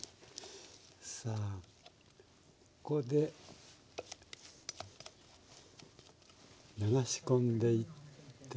さあここで流し込んでいって。